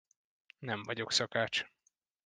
Nem vagyok szakács.